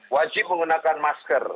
wajib menggunakan masker